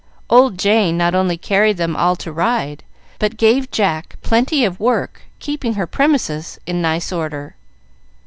Old Jane not only carried them all to ride, but gave Jack plenty of work keeping her premises in nice order.